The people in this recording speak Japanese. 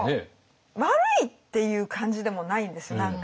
悪いっていう感じでもないんですよ何か。